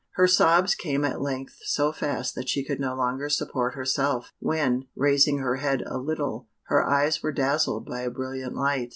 Her sobs came at length so fast that she could no longer support herself, when, raising her head a little, her eyes were dazzled by a brilliant light.